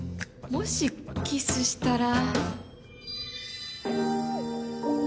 もし、キスしたら。